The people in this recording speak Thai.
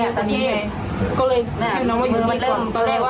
ไม่มีใครห้ามอะไรเหรอ